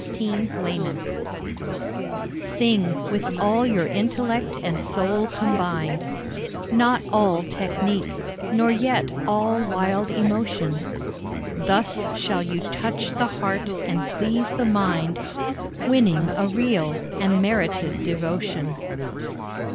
TO SINGERS Sing with your intellect and soul combined; Not all technique, nor yet all wild emotion, Thus shall you touch the heart and please the mind, Winning a real and merited devotion.